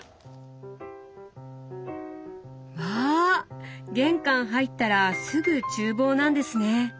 わ玄関入ったらすぐ厨房なんですね。